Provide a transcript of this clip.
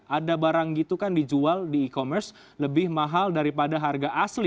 ada barang gitu kan dijual di e commerce lebih mahal daripada harga asli